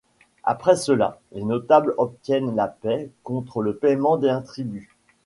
Après cela, les notables obtiennent la paix contre le paiement d'un tribut.